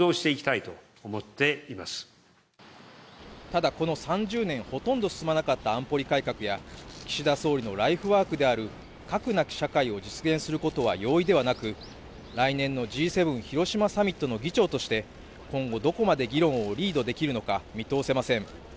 ただ、この３０年ほとんど進まなかった安保理改革や岸田総理のライフワークである核なき社会を実現することは容易ではなく、来年のＧ７広島サミットの議長として今後、どこまで議論をリードできるのか見通せません。